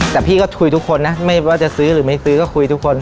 แต่พี่ก็คุยทุกคนนะไม่ว่าจะซื้อหรือไม่ซื้อก็คุยทุกคน